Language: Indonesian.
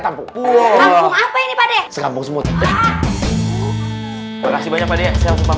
tampuk woi apa ini pada sekampung semut terima kasih banyak pada selesai ya walaikum salam